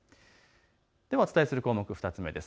お伝えする項目、２つ目です。